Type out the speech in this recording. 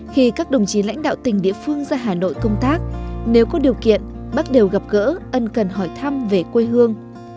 khi các đồng chí lãnh đạo tỉnh địa phương ra hà nội công tác nếu có điều kiện bác đều gặp gỡ ân cần hỏi thăm về quê hương